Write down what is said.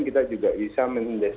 kita juga bisa mendesak